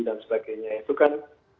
dan sebagainya itu kan